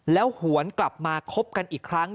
แล้วหวนกลับมาคบกันอีกครั้ง